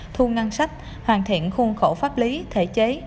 thu ngăn sách hoàn thiện khuôn khổ pháp lý thể chế